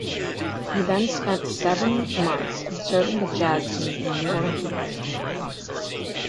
He then spent seven months observing the jazz scene in New Orleans.